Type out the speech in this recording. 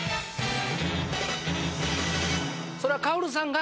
それはカオルさんが。